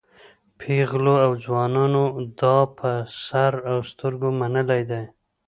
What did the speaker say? پېغلو او ځوانانو دا په سر او سترګو منلی دی.